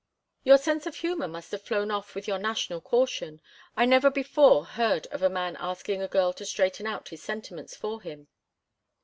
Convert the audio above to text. "Your sense of humor must have flown off with your national caution. I never before heard of a man asking a girl to straighten out his sentiments for him."